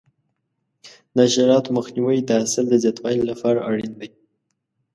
د حشراتو مخنیوی د حاصل د زیاتوالي لپاره اړین دی.